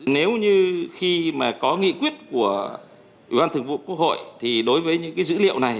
nếu như khi mà có nghị quyết của ủy ban thường vụ quốc hội thì đối với những cái dữ liệu này